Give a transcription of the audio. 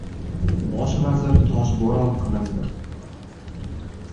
Bosh vazir «toshbo‘ron» qilindi